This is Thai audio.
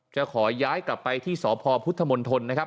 จะขอย้ายกลับไปที่สพพุทธมนตรนะครับ